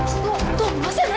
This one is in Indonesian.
tidak ada siapa